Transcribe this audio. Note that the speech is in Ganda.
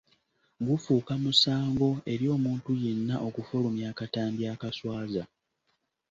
Gufuuka musango eri omuntu yenna okufulumya akatambi akaswaza.